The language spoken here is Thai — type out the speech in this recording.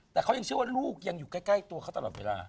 แต่เขายังเชื่อว่าลูกยังอยู่ใกล้ตัวเขาตลอดเวลา